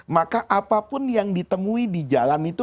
maka apapun yang ditemui di jalan itu